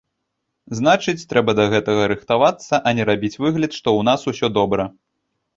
Значыць, трэба да гэтага рыхтавацца, а не рабіць выгляд, што ў нас усё добра.